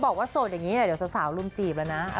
แต่ตอนนี้ยังไม่มี